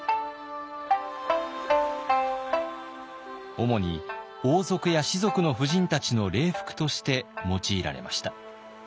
主に王族や士族の婦人たちの礼服として用いられました。